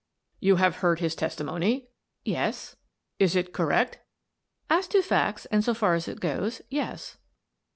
" You have heard his testimony? "" Yes." "Is it correct?" "As to facts, and so far as it goes, yes."